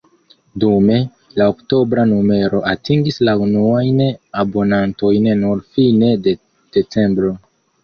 Dume, la oktobra numero atingis la unuajn abonantojn nur fine de decembro.